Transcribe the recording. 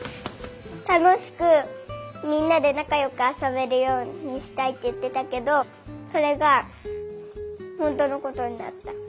たのしくみんなでなかよくあそべるようにしたいっていってたけどそれがほんとのことになった。